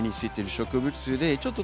植物です。